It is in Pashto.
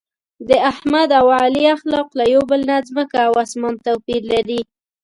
د احمد او علي اخلاق یو له بل نه ځمکه او اسمان توپیر لري.